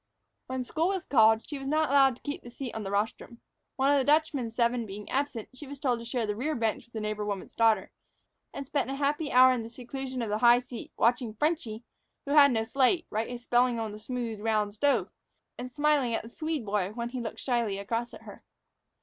When school was called, she was not allowed to keep the seat on the rostrum. One of the Dutchman's seven being absent, she was told to share the rear bench with the neighbor woman's daughter, and spent a happy hour in the seclusion of the high seat, watching "Frenchy," who had no slate, write his spelling on the smooth, round stove, and smiling at the Swede boy when he looked slyly across at her.